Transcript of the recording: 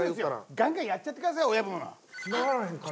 ガンガンやっちゃってください親分。